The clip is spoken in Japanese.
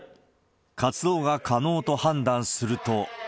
活動が可能と判断すると。